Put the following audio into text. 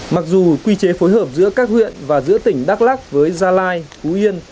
mặc dù quy chế phối hợp giữa các huyện và giữa tỉnh đắk lắc với gia lai phú yên